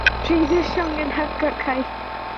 ঠিক আছে, চলো হিসেব করি।